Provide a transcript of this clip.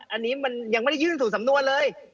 อันนี้มันยังไม่ได้ยื่นสู่สำนวนเลย